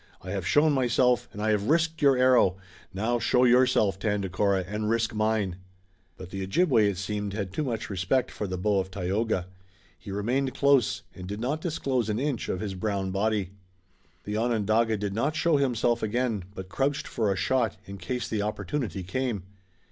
I have shown myself and I have risked your arrow, now show yourself, Tandakora, and risk mine!" But the Ojibway, it seemed, had too much respect for the bow of Tayoga. He remained close, and did not disclose an inch of his brown body. The Onondaga did not show himself again, but crouched for a shot, in case the opportunity came.